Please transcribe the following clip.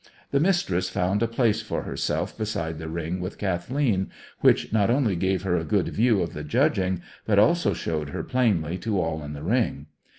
The Mistress found a place for herself beside the ring with Kathleen, which not only gave her a good view of the judging, but also showed her plainly to all in the ring.